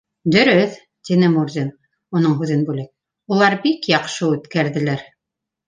— Дөрөҫ, — тине Мурзин, уның һүҙен бүлеп, — улар бик яҡшы үткәрҙеләр.